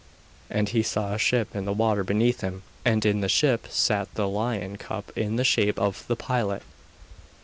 And he saw a ship in the water beneath him, and in the ship sat the lion cup in the shape of the pilot.